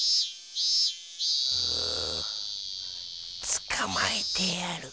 つかまえてやる。